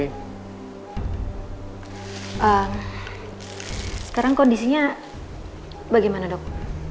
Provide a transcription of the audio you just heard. sekarang kondisinya bagaimana dok